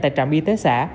tại trạm y tế xã